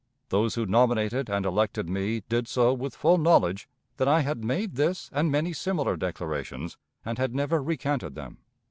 Those who nominated and elected me did so with full knowledge that I had made this and many similar declarations, and had never recanted them.